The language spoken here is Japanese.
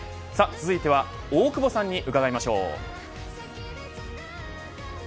続いては大久保さんに伺いましょう。